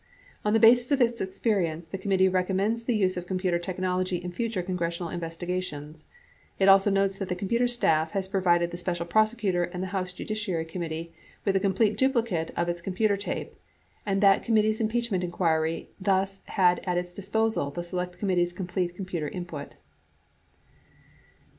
On the basis of its experience, the committee recommends the use of computer technology in future congressional investigations. It also notes that the computer staff has provided the Special Prosecutor and the House Judiciary Committee with a complete duplicate of its com puter tape, and that committee's impeachment inquiry thus had at its disposal the Select Committee's complete computer input.